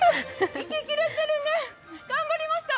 息切れてるね、頑張りました。